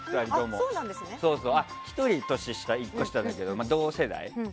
１人、年下、１個下だけど同世代。